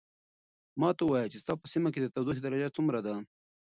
ماته ووایه چې ستا په سیمه کې د تودوخې درجه څومره ده.